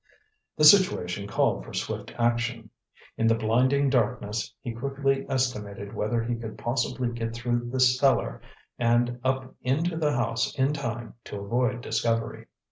The situation called for swift action. In the blinding darkness, he quickly estimated whether he could possibly get through the cellar and up into the house in time to avoid discovery.